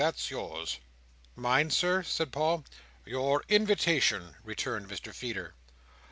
That's yours." "Mine, Sir?" said Paul. "Your invitation," returned Mr Feeder.